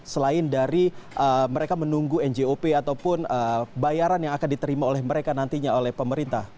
selain dari mereka menunggu njop ataupun bayaran yang akan diterima oleh mereka nantinya oleh pemerintah